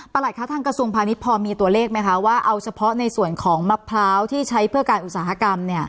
คะทางกระทรวงพาณิชย์พอมีตัวเลขไหมคะว่าเอาเฉพาะในส่วนของมะพร้าวที่ใช้เพื่อการอุตสาหกรรม